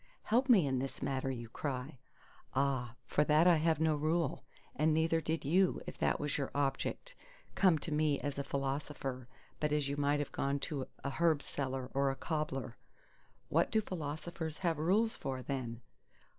"Help me in this matter!" you cry. Ah, for that I have no rule! And neither did you, if that was your object, come to me as a philosopher, but as you might have gone to a herb seller or a cobbler.—"What do philosophers have rules for, then?"